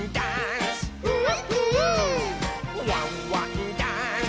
「ワンワンダンス！」